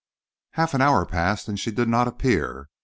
Half an hour passed and she did not appear.